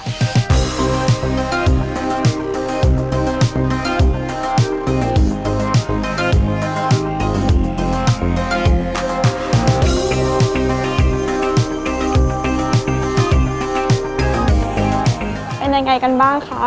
เป็นยังไงกันบ้างคะ